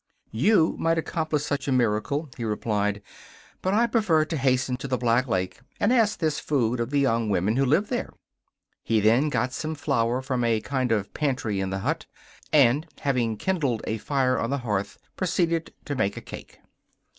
'You might accomplish such a miracle,' he replied, 'but I prefer to hasten to the Black Lake and ask this food of the young women who live there.' He then got some flour from a kind of pantry in the hut, and, having kindled a fire on the hearth, proceeded to make a cake.